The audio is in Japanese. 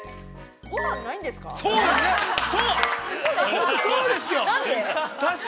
ごはん、ないんですか。